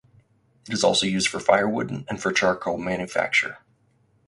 It is also used for firewood and for charcoal manufacture.